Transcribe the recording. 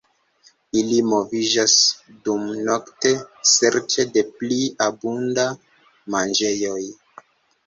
Ili moviĝas dumnokte serĉe de pli abunda manĝejoj.